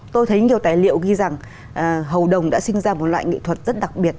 tôi thấy nhiều tài liệu ghi rằng hầu đồng đã sinh ra một loại nghệ thuật rất đặc biệt